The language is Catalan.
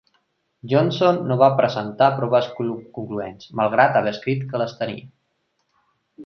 Johnston no va presentar proves concloents, malgrat haver escrit que les tenia.